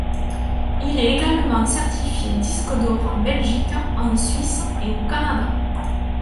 Il est également certifié disque d'or en Belgique, en Suisse et au Canada.